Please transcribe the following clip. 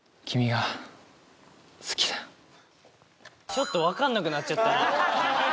ちょっと分かんなくなっちゃったな